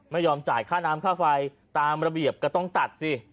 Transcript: ไม่ยอมจ่ายค่าน้ำค่าไฟตามระเบียบก็ต้องตัดสิ